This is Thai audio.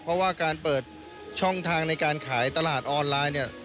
เพราะว่าการเปิดช่องทางในการขายตลาดออนไลน์เนี่ย